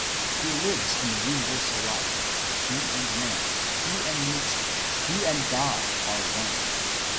He lives in the universal life; he and man, he and nature, he and God, are one.